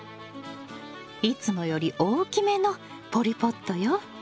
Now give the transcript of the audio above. いつもより大きめのポリポットよ。